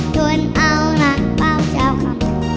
ทุนเอาหนักเป้าชาวขัม